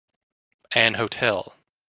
An hotel.